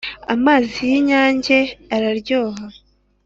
amazi yi inyange araryoha